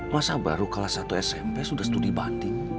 masa baru kelas satu smp sudah studi banting